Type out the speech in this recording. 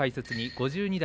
５２代